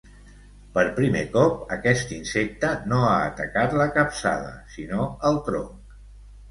Per primer cop, aquest insecte no ha atacat la capçada sinó el tronc.